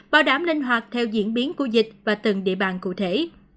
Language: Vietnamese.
bảo đảm linh hoạt theo diễn biến của dịch và từng địa bàn cụ thể